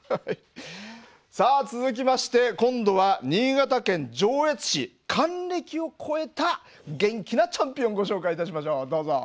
さあ続きまして今度は新潟県上越市還暦を超えた元気なチャンピオンご紹介いたしましょう。